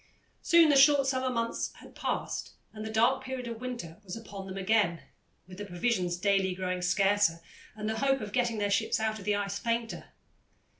Soon the short summer months had passed and the dark period of winter was upon them again, with the provisions daily growing scarcer, and the hope of getting their ships out of the ice fainter.